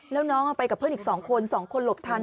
แล้วน้องไปกับเพื่อนอีก๒คน๒คนหลบทัน